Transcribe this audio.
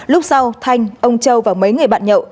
lúc sau thanh ông châu và mấy người bạn nhậu